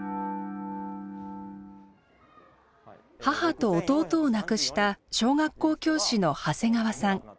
母と弟を亡くした小学校教師の長谷川さん。